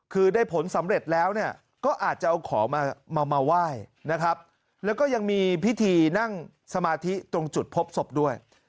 คือได้ผลสำเร็จแล้วก็อาจจะเอาของมามาไหว้นะครับแล้วก็ยังมีพิธีนั่งสมาธิตรงจุดพบศพด้วย